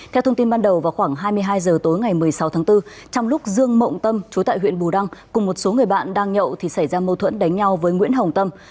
theo thông tin ban đầu vào khoảng hai mươi hai h tối ngày một mươi sáu tháng bốn trong lúc dương mộng tâm chú tại huyện bù đăng cùng một số người bạn đang nhậu thì xảy ra mâu thuẫn đánh nhau với nguyễn hồng tâm